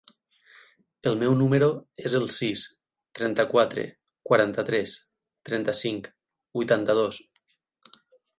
El meu número es el sis, trenta-quatre, quaranta-tres, trenta-cinc, vuitanta-dos.